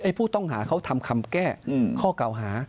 ผู้ต้องหาเขาทำคำแก้ข้อเก่าหา